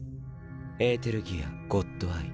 エーテルギアゴッドアイ。